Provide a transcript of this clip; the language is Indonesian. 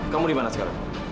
kamu dimana sekarang